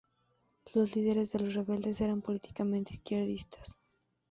Los líderes de los rebeldes eran políticamente izquierdistas.